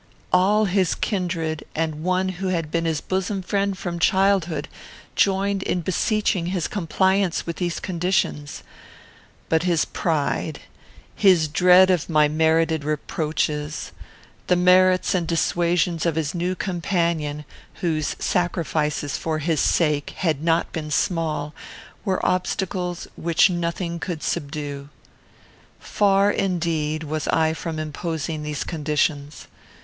All his kindred, and one who had been his bosom friend from childhood, joined in beseeching his compliance with these conditions; but his pride, his dread of my merited reproaches, the merits and dissuasions of his new companion, whose sacrifices for his sake had not been small, were obstacles which nothing could subdue. "Far, indeed, was I from imposing these conditions.